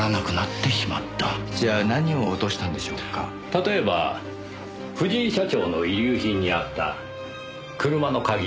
例えば藤井社長の遺留品にあった車の鍵。